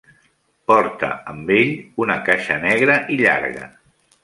Porta amb ell una caixa negra i llarga.